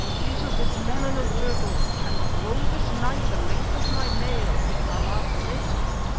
Eat of this melon, O turtle, and grow this night the length of my nail, if Allah permit!